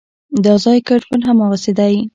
دا ځای کټ مټ هماغسې دی.